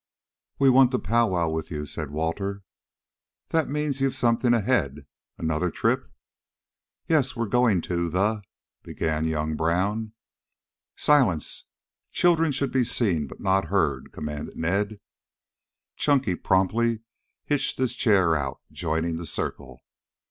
"We want to pow wow with you," said Walter. "That means you've something ahead another trip?" "Yes, we're going to the " began young Brown. "Silence! Children should be seen, but not heard," commanded Ned. Chunky promptly hitched his chair out, joining the circle.